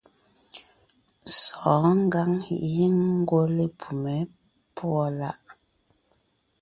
Sɔ̌ɔn ngǎŋ giŋ ngwɔ́ lepumé púɔ láʼ.